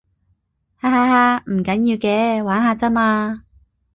哈哈哈，唔緊要嘅，玩下咋嘛